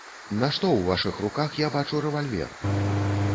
Нашто ў вашых руках я бачу рэвальвер?